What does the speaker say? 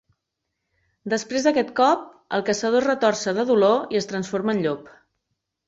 Després d'aquest cop, el caçador es retorça de dolor i es transforma en llop.